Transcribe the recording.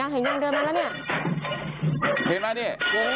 เห็นไหมดิ